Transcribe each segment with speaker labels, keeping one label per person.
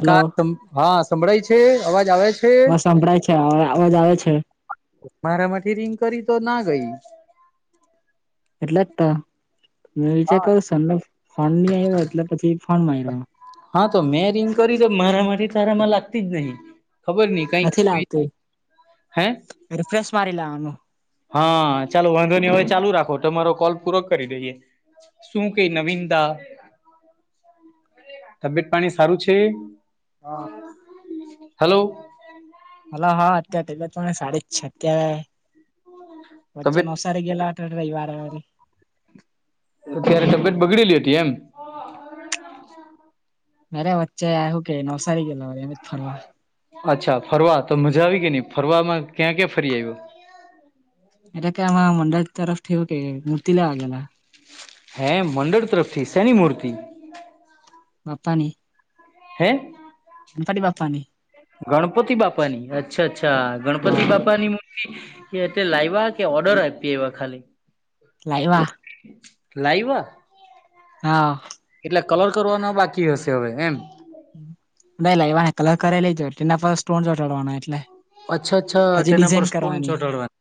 Speaker 1: Hello
Speaker 2: તમ હા સંભળાય છે અવાજ આવે છે
Speaker 1: હ સંભળાય છે અવાજ આવે છે
Speaker 2: મારામાંથી રિંગ કરી? તો ના ગઈ
Speaker 1: એટલે જ તો મે વિચાર કરુ સર નો ફન ની આવ્યો એટલે પછી ફોન માર્યો.
Speaker 2: હા તો મેં રિંગ કરી તો મારા મારી તારામાં લાગતી જ નહી ખબર નઈ કઈક
Speaker 1: નથી
Speaker 2: સ
Speaker 1: લાવતી રિફ્રેશ મારી લેવાનું.
Speaker 2: હા! ચાલો વાંધો નઈ અવે ચાલુ રાખો તમારો કોલ પૂરો કરી દઈએ. શું કેઈ નવીંદા તબિયત પાણી સારું છે?
Speaker 1: હા
Speaker 2: હલો?
Speaker 1: હલો હા, અત્યારે તબીયત પાણી સારી જ છે. અત્યારે વચ્ચે
Speaker 2: તબિયત
Speaker 1: નવસારી ગેલા અટા રવિવારે વળી.
Speaker 2: તો ત્યારે તબિયત બગડેલી હતી એમ?
Speaker 1: નારે વચ્ચે એહું કે નવસારી ગેલા હો એમ જ ફરવા.
Speaker 2: અચ્છા! ફરવા તો મજા આવી કે ની ફરવામાં ક્યાં ક્યાં ફરી આવ્યો?
Speaker 1: એટલે કે આમાં મંડળ તરફથી હુંકે મૂર્તિ લેવા ગેલા.
Speaker 2: હે મંડળ તરફથી સેની મૂર્તિ?
Speaker 1: બા્પાની
Speaker 2: હે? ગણપતિ બાપાની અચ્છા અચ્છા ગણપતિ
Speaker 1: હા
Speaker 2: બાપા ની મૂ એ અત્યારે લાઈવા કે ઓર્ડર આપી આયવા ખાલી?
Speaker 1: લાઈવા.
Speaker 2: લાઈવા?
Speaker 1: હા
Speaker 2: કલર કરવાનો બાકી હશે અવે એમ?
Speaker 1: નઈ લાઈવાને કલર કરેલી જ હોય એના પર સ્ટોન ચોાડવાના એટલે.
Speaker 2: અચ્છા અચ્છા
Speaker 1: હજી
Speaker 2: તેના પર
Speaker 1: ડિઝાઇન
Speaker 2: સ્ટોન
Speaker 1: કરવાની
Speaker 2: ચોટાડવાના.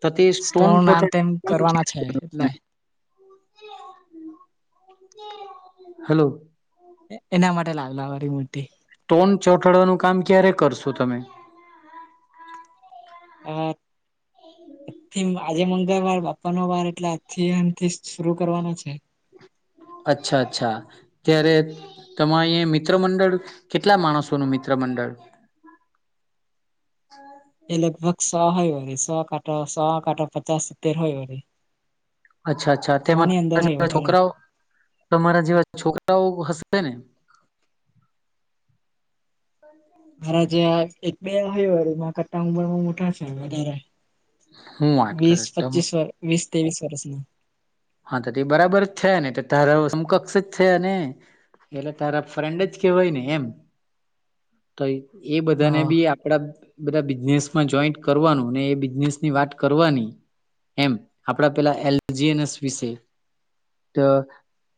Speaker 2: તો તે સ્ટોન છોટ
Speaker 1: આમ તેમ કરવાના છે એટલે
Speaker 2: [unintelligible]
Speaker 1: [unintelligible]
Speaker 2: હલો
Speaker 1: એના માટે લાગલા અવારી મોટી.
Speaker 2: તોડ ચોઠાડવાનું કામ ક્યારે કરશો તમે.
Speaker 1: આઠ થી આજે મંગળવાર બાપાનો વાર એટલે આથીથી શર કરવાના છે. [inaudible]
Speaker 2: અચ્છા અચ્છા ત્યારે તમારી મિત્ર મંડળ કેટલા માણસો ન મિત્રં પર મંડળ
Speaker 1: [inaudible]
Speaker 2: [inaudible]
Speaker 1: સ હોય હો સો કાંટો સ કાંટો પચાસ સિત્તેર હોય હો.
Speaker 2: અચ્છા અચ્છા તેમાં જેવા છોકરાઓ તમારા જેવા છોકરાઓ હ. બને
Speaker 1: મારા જે એક બેય કરતા ઉંમરમાં મોટા છે વધારે
Speaker 2: હું વાત
Speaker 1: વીસ
Speaker 2: કરે
Speaker 1: પચીસ વ વીસ તેવીસ વરસ ના.
Speaker 2: હા તો તે બરાબર જ છે ને તારા શ કક્ષ જ છે ને. એટલે તારા ફ્રેન્ડ જ કેવાય ને એમ તોય એ બધાને
Speaker 1: હા
Speaker 2: બી આપડા બધા બિઝનેસમાં જોઈન્ટ કરવાનું ને એ બિઝનેસની વાત કરવાની એમ આપડા પેલા એલજીએનસ વિશે તો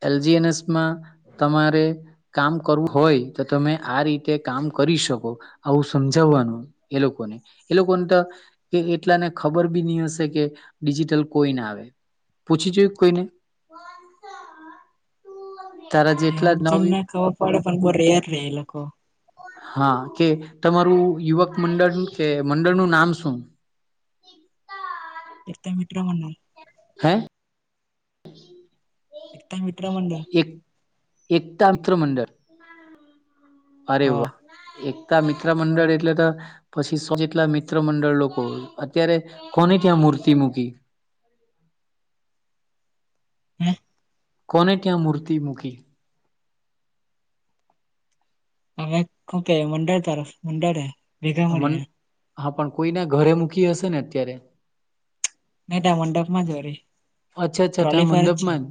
Speaker 2: એલજીએનએસમાં તમારે કામ કરવું હોય તો તમે આ રીતે કામ કર. કરી શકો આવું સમજાવવાનું એ લોકોને એ લોકોને તો એટલાને ખબર બી હશે કે ડિજિટલ કોઈને આવે પૂછી જોઈ કોઈને તારા જેટલા નવી
Speaker 1: એવુંજને ખબર પડે પણ બહ રેયાર રે એ લોકો.
Speaker 2: હા કે, તમારું યુવક મંડળ કે મંડળનું નામ શું? [unintelligible]
Speaker 1: મિત્ર મંડળ.
Speaker 2: હે?
Speaker 1: એક. [unintelligible]
Speaker 2: એક એકતા મિત્ર મંડળ. અરે
Speaker 1: હ
Speaker 2: વાહ, એક મિત્ર મંડળ એટલે તો, પછીસો જેટલા મિત્ર મંડળ લોકો અત્યારે કોને ત્યાં મુર્તી મુુકી?
Speaker 1: હે?
Speaker 2: કોને ત્યાં મૂર્તિ મૂકી?
Speaker 1: હમે શું ક મંડળ તરફ મંડળે. ભેગા
Speaker 2: હ મ
Speaker 1: મળીને
Speaker 2: હા પણ કોઈના ઘરે મૂકી હશે ને અત્યારે.
Speaker 1: નહીટા મંડપમાં જ હો રે.
Speaker 2: અચ્છા અચ્છાા મંડપમાન,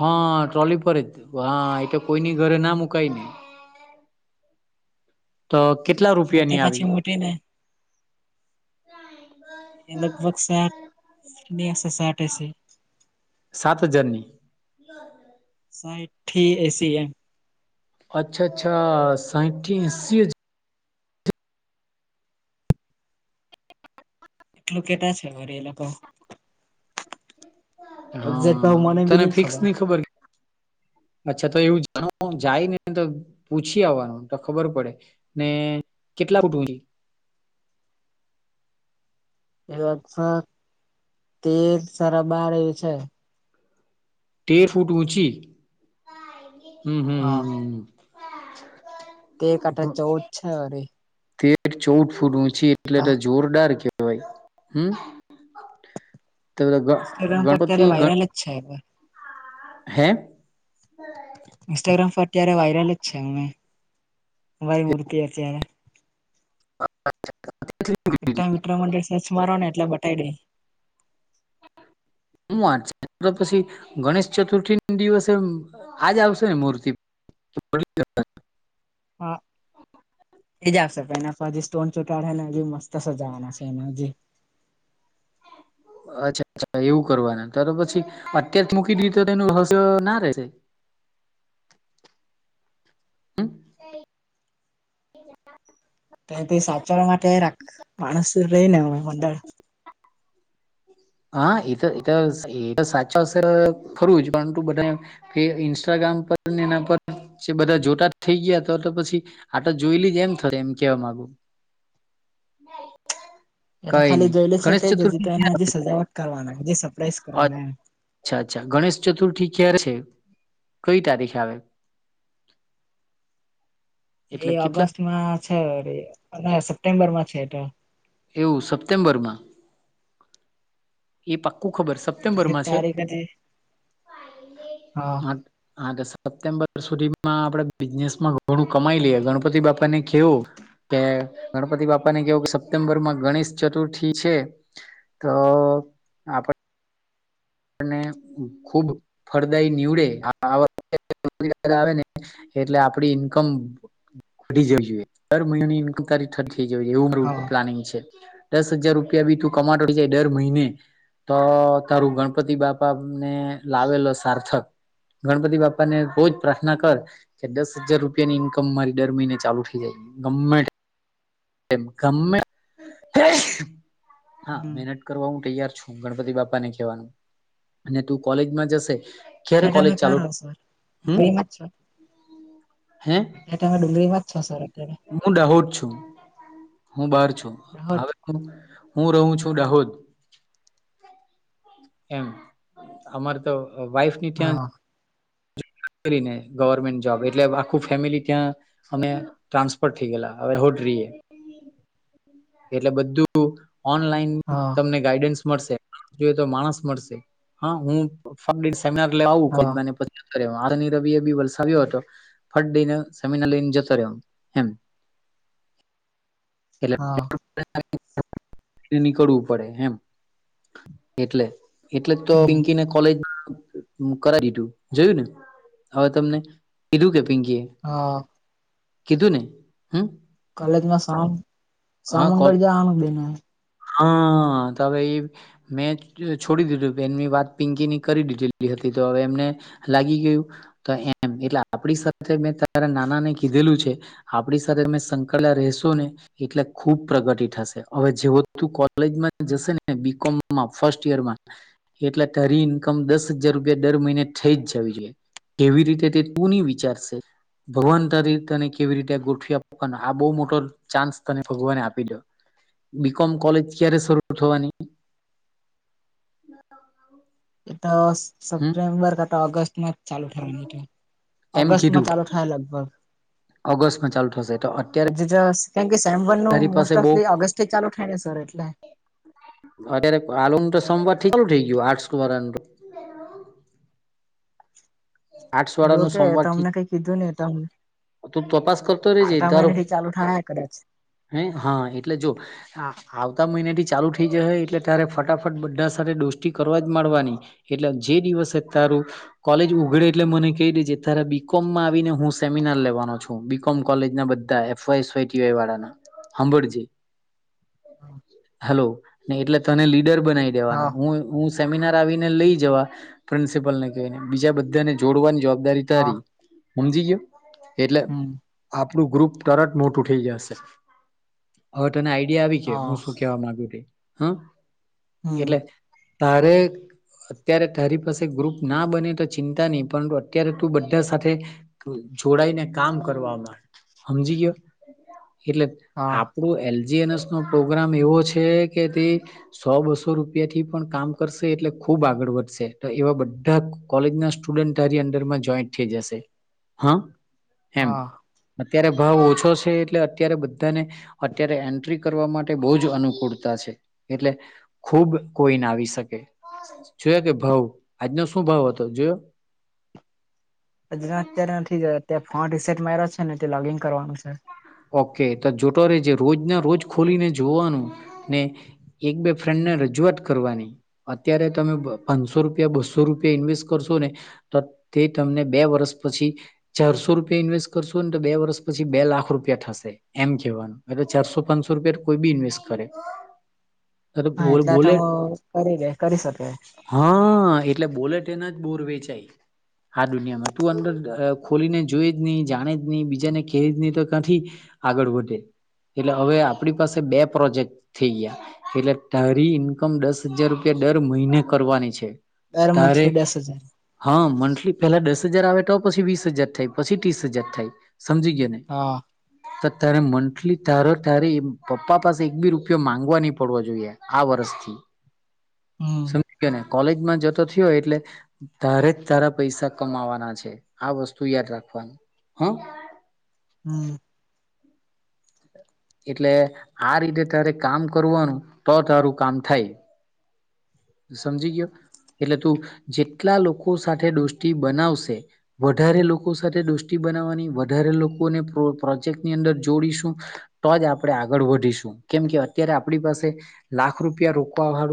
Speaker 2: હા ટ્રોલી પર છે. હા એ તો કોઈની ઘરે ના મુકાય ને, તો કેટલા
Speaker 1: મો તે
Speaker 2: રૂપિયાની આવી
Speaker 1: પાછી મોટી ને, એ વક સાટ નશ સાટ એ છે.
Speaker 2: સાત હજારન
Speaker 1: સાઈઠ થી એસી એમ.
Speaker 2: અચ્છા અચ્છા સાંઠી સી હજાર.
Speaker 1: એટલું કેટા છે ઘરી એ લોકો. એક્ઝેટ ભાવ મને
Speaker 2: હા
Speaker 1: ભી
Speaker 2: તને
Speaker 1: નહી
Speaker 2: ફિક્સ
Speaker 1: ખબર.
Speaker 2: ની
Speaker 1: [inaudible]
Speaker 2: અચ્છા તો એવું જાણ જાય ને તો પૂછી આવવાનું તો ખબર પડે, ને કેટલા ફૂટની?
Speaker 1: એ તેર સરાબાર એ છે.
Speaker 2: તેર ફૂટ ઊંચી, હમ હમ હમ હ
Speaker 1: તે આઠ ચૌદ છે અરે.
Speaker 2: ચૌદ ફૂટ ઊંચી એટલે જોરદાર કહેવાય હમ. તે બધા ગ
Speaker 1: ઇન્સ્ટાગ્રામ પર
Speaker 2: ગણપતિ
Speaker 1: અત્યારે
Speaker 2: ગણ
Speaker 1: વાયરલ જ છે
Speaker 2: હે?
Speaker 1: ઇન્સ્ટાગ્રામ પર અત્યારે વાયરલ જ છે અમે, અમારી મૂર્તિ અત્યારે. વિક્ર મડળ સચ મારો ને એટલે બતાવી દે.
Speaker 2: હું વા છે પછી, ગણેશ ચતુર્થી દિવસે આજ આવશે ને મૂર્તિ? જ- [unintelligible]
Speaker 1: હ. એજ આવશે પને હ સ્ટોન ચૂટાડે ને મસ્ત સજાવાના છે એ હજી. [inaudible]
Speaker 2: અચ્છા અચ્છા એવું કરવાનું ત પછી, અત્ય્યારે મૂકી દીધ તો તેનું હસ ના રહેશે.
Speaker 1: [inaudible]
Speaker 2: હમ.
Speaker 1: તો સાચવાવા માટે રાખ માણસ રહીનેમે મંડળ.
Speaker 2: હા એ તો એ એ તો સાચા અસર ફરવું જ પરંતુ બધા, કે ઇન્સ્ટાગ્રામ કામ એના પર બધા જોતાથઈ ગયા તો તો પછી, આતો જોઈ લ જ એમ થશે એમ કેવા માંગુ.
Speaker 1: એ તો
Speaker 2: કઈ
Speaker 1: ખાલી
Speaker 2: નહી
Speaker 1: જોયેલી છે
Speaker 2: ગણેશ
Speaker 1: તે જ હજી
Speaker 2: ચતુર્થી
Speaker 1: તોને
Speaker 2: ક્યારે
Speaker 1: હજી કરવાના સરપ્રાઈઝ
Speaker 2: આવે?
Speaker 1: કરવાના એમ.
Speaker 2: અચ્છા અચ્છા ગણેશ ચતુર્થી ક્યારે છે કઈ તારીખે આવે?
Speaker 1: એ
Speaker 2: એટલે કેટલા
Speaker 1: ઓગસ્ટમાં છે અને સપ્ટેમ્બર માં છે એટ.
Speaker 2: એવું સપ્ટેમ્બરમાં એ પક ખબર
Speaker 1: એક્ઝેક્ટ
Speaker 2: સપ્ટેમ્બરમાં છે.
Speaker 1: તારીખ હજી
Speaker 2: હા હા સપ્ટેમ્બર સુધીમાં આપડે બિઝનેસમાં ઘણું કમાઈ લઈએ ગણપતિ બાપા ને કેવું કે ગણપતિ બાપાને કેવું કે સપ્ટેમ્બર માં ગણેશ ચતુર્થી છે તો આપ પણને ખુબ ફળદાયી નીવડે [unintelligible] આવેને એટલે આપડી ઈન્કમ ઘી જવી જોઈએ દર મહિનાની ઈન્મ તારી જવી એવું મારુ
Speaker 1: હા
Speaker 2: પ્લાનિંગ છે. દસ હજાર રૂપિયા બી તું કમાતો થઈ જાય દર મહિને તો તારું ગણપ પતિ બાપા મે લાવેલો સાર્થક ગણપતિ બાપા ને બહુજ પ્રાર્થના કર કે દસ હજાર રૂપિયા ની ઈન્કમ મારી દર મહિને ચાલુ થઇ જાય ગમે તે ગમે હા
Speaker 1: હમ
Speaker 2: મહેનત કરવા હું તૈયાર છું ગણપતિ બાપા ને કહેવાનું અને તું કોલેજમાં જશે ક્યારે
Speaker 1: ટામે
Speaker 2: કોલેજ
Speaker 1: કર
Speaker 2: ચાલુ
Speaker 1: રહ સર
Speaker 2: હમ
Speaker 1: [unintelligible]
Speaker 2: હે
Speaker 1: [unintelligible] ડુંગળી વા જ છો સર અત્યારે
Speaker 2: હું દાહોદ છું, હું બાર છું,
Speaker 1: દાહોદ
Speaker 2: હવે હુ હું રહું છું દાહોદ એમ અમારે તો વાઈફ ની ત્યાં
Speaker 1: હા
Speaker 2: ગવર્મેન્ટ જોબ એટલે આખું ફેમિલી ત્યાં અમે ટ્રાન્સફર થઈ ગયલા હવે રીએ
Speaker 1: [inaudible]
Speaker 2: એટલે બધું ઓનલાઈન
Speaker 1: હા
Speaker 2: તમને ગાઈડન્સ મળશે જોએ તો માણસ મળશે હા હું સેમિનાર લેવા આવુ
Speaker 1: હા
Speaker 2: [unintelligible] આ રની રબિ એ બી વલસાવ્યો હતો ફટ દઈને સેમીનાર લઈને જતો રહ્યો એમ એટલે
Speaker 1: હા
Speaker 2: નીકળવું પડે એમ એટલે એટલે તો
Speaker 1: હમ
Speaker 2: પિંકીને કોલેજ કરાવી દીધું જોયું ને હવે તમને કીધું કે પીંકી
Speaker 1: હા
Speaker 2: કીધુંને હમ
Speaker 1: કલેજમાં સા
Speaker 2: કોલ
Speaker 1: સામંગળ જવાનું બેને
Speaker 2: હા હા તો હવે એ મેં છોડી દીધું બેનની વાત પિંકી ની કરી દીધેલી હતી તો હવે એમને લાગી ગયુ તો એમ એટલે આપડી સાથે મે તારા નાના ને કીધેલું છે આપ સંકળ્યાલા રશો ને એટલે ખુબ પ્રગતિ થશે હવે જેવો તું કોલેજમાં જશે ને બીકોમમાં ફર્સ્ટ યરમાં એટલે તારી ઇન્કમ દસ હજાર રૂપિયા દર મહિને થઈ જ જવી જોઈએ કેવી રીતે તે તુંની વિચારશે ભગવાન તારી તને કેવી રીતે ગોઠવી આપવાના આ બહુ મોટો ચાન્સ તને ભગવાને આપી દો બીકોમ કોલેજ ક્યારે શરૂ થવાની?
Speaker 1: એ તો
Speaker 2: હમ
Speaker 1: સેપ્ટેમ્બર કતા ઓગસ્ટમાં. ચાલુ થાવાની
Speaker 2: એમ
Speaker 1: ઓગસ્ટમાં
Speaker 2: કીધું
Speaker 1: ચાલુ થાય લગભગ.
Speaker 2: ઓગસ્ટમાં ચાલુ થશે તો અત્યારે
Speaker 1: એકજ સેમ વન નું
Speaker 2: તારી પાસે
Speaker 1: મોસ્ટ
Speaker 2: બઉ
Speaker 1: ઓફલી ઓગસ્ટ થી ચાલુ થાયને સર? એટલે.
Speaker 2: અત્યારે આલુ તો સોમવાર થી ચાલુ થઈ ગયયો આટ્સ વારાનું આટ્સ વાળા
Speaker 1: જો
Speaker 2: નું
Speaker 1: કે
Speaker 2: સોમવાર ઠી
Speaker 1: તમને કઈ કીધું ને તમ
Speaker 2: હ તું તપાસ કરતો રહીજે
Speaker 1: આઠા મહિના
Speaker 2: તરફ
Speaker 1: થી ચાલુ થાય કદાચ
Speaker 2: હ હા એટલે જો આવતા મહિના થી ચાલુ થઈ જશે એટલે ત્યારે ફટાફટ બધા સાથે દોષતી કરવા જ માડવાની એટલે જે દીવ સે તારું કોલેજ ઉઘડે એટલે મને કહી દેજે તારુ બી કોમ માં આવીને હું સેમિનાર લેવ [inaudible] છું બીકોમ કોલેજ ના બધા એફોયસ [unintelligible] વાળા ના હામભળજે. હાલો ને એટલે તને લીડર બનાવી દેવાનો.
Speaker 1: હા
Speaker 2: હું હું સેમિનાર આવીને લઈ જવા પ્રિન્સિપલ ને કઈ ને બીજા બધાને જોડવાની જવાબ દારી
Speaker 1: હા
Speaker 2: તારી સમજી ગયો? એટલે
Speaker 1: હમ
Speaker 2: આપ પડું ગ્રુપ તરત મોટું થઈ જશે. અ તને આઈડિયા આવી કે
Speaker 1: હા
Speaker 2: હું શું કેવા માંગુ તે હુ.
Speaker 1: હમ
Speaker 2: એટલે તારે અત્યારે તારી પાસે ગ્રુપ ના બને તો ચિંતા નહી પરંતુ અત્યારે તું બધા સાથે જોડાઈને કામ કરવાવામાં. હમજી ગયો? એટલે
Speaker 1: હા
Speaker 2: આપણું એલ જી એન એસ નો પ્રોગ્રામ એવો છે કે તે સો બસો રૂપિયાથી પણ કામ કરશે એટલે ખુબ આગળ વધશે. તો એવા બધા કોલેજના સ્ટુડન્ટારી અડરમાં જોઈન્ટ થઈ જશે. હા. એમ
Speaker 1: હા.
Speaker 2: અત્યારે ભાવ ઓછો છે એટલે અત્યારે બધાને અત્યારે એન્ટ્રી કરવા માટે બહુ જ અનુકૂળતા છે. એટલે ખુબ કોઈ ના આવી શકે. જોયા કે ભાવ આજનો શું ભાવ હતો જોયો?
Speaker 1: [unintelligible] આજ અત્યારે નથી જ અ ફોન રિસેટ માઈરા છે ને લોગિન કરવાનું છે.
Speaker 2: ઓકે તો જોતો રેજ રોજ ના રોજ ખોલીને જોવાનું ને એક બે ફ્રેન્ડને રજૂઆત કરવાની અત્યારે તમે પાંચસો રૂપિયા, બસો રૂપિયા ઇન્વેસ્ટ કરશો ને તો તે તમને બે વર્ષ પછી ચારસો રૂપિયા ઇન્વેસ્ટ કરશોને તો બે વર્ષ પછી બે લાખ રૂપ થશે એમ કેવાનું એટલે ચારસો, પાંચસો રૂપિયા કોઈ બી ઇન્વેસ્ટ કરે. તો
Speaker 1: હા એટલે તો
Speaker 2: બોલે
Speaker 1: કરી દે કરી શકે
Speaker 2: હા એટલે બોલે તેના બોર વેચાય. આ દુનિયામાં તું અંદર ખોલીને જોઈ જ ની જાણે જ ની બીજાને કે જ ની તો કાથી આગળ વધે. એટલે હવે આપડી પાસે બે પ્રોજેક્ટ થઈ ગયા એટલે તારી ઇન્કમ દસ હજાર રૂપિયા દર મહિને કરવાની છે.
Speaker 1: દર
Speaker 2: તારે
Speaker 1: મંથલી દસ હજાર
Speaker 2: હા મંથલી પેલા દસ હજાર આવે તો પછી વીસ હજાર થાય પછી ત્રીસ હજાર થાય સમજી ગયો ને?
Speaker 1: હા
Speaker 2: તો તારે મંથલી તારો તારી પપ્પા પાસે એક બી રૂપિયો માંગવા નહી પડવો જોઈએ આ વર ષ થી,
Speaker 1: હમ
Speaker 2: સમજી ગયો ને? કોલેજમાં જતો થ્યો એટલે તારે જ તારા પૈસા કમાવાના છે. આ વસ્તુ યાદ રાખ. હમ્મ.
Speaker 1: હમ્મ.
Speaker 2: એટલે આ રીતે તારે કામ કરવાનું તો તારું કામ થાય. સમજી ગયો? એટલે તું જેટલા લોકો સાથે દોસ્તી બનાવશે વધારે લોકો સાથે દોસ્તી બનાવાની વધારે, લોકોને પ્રોજેક્ટની અંદર જોડીશું તો જ આપણે આગળ વધીશું. કેમ કે અત્યારે આપણી પાસે લાખ રૂપિયા રોકવા વાળું